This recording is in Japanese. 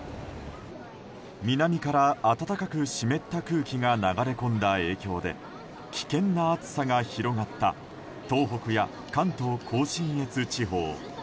南から暖かく湿った空気が流れ込んだ影響で危険な暑さが広がった東北や関東・甲信越地方。